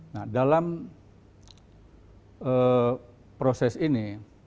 nah dalam proses ini